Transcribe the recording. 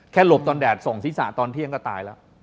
หลบตอนแดดส่งศีรษะตอนเที่ยงก็ตายแล้ว